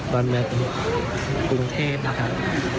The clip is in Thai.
บรรเมตรกรุงเทพฯนะครับ